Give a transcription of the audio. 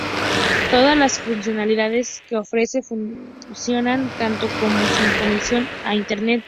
Todas las funcionalidades que ofrece funcionan tanto con como sin conexión a Internet.